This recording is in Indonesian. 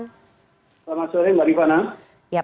selamat sore mbak divana